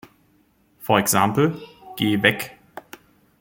For example: Geh weg!